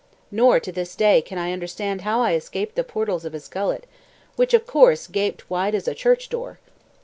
Nor to this day can I understand how I escaped the portals of his gullet, which, of course, gaped wide as a church door.